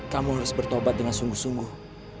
kamu harus bertobat dengan sungguh sungguh